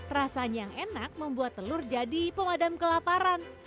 rasanya yang enak membuat telur jadi pemadam kelaparan